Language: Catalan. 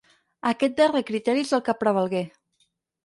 Aquest darrer criteri és el que prevalgué.